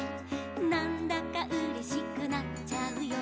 「なんだかうれしくなっちゃうよ」